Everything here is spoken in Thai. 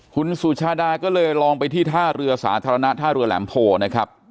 คุณสุชาดาก็เลยลองไปที่ท่าเรือสาธารณะท่าเรือแหลมโพนะครับ